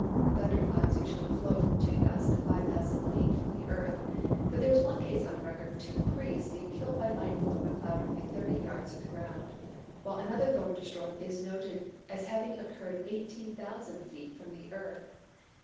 Thunder clouds usually float from two thousand to five thousand feet from the earth; but there is one case on record of two priests being killed by lightning from a cloud only thirty yards from the ground; while another thunder storm is noted as having occurred eighteen thousand feet from the earth.